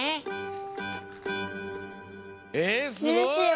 えっすごい！